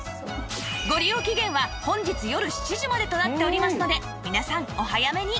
ご利用期限は本日夜７時までとなっておりますので皆さんお早めに